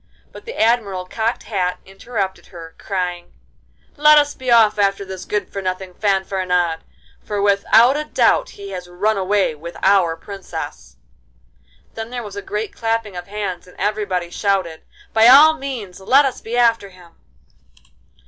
But the Admiral Cocked Hat interrupted her, crying: 'Let us be off after this good for nothing Fanfaronade, for with out a doubt he has run away with our Princess.' Then there was a great clapping of hands, and everybody shouted, 'By all means let us be after him.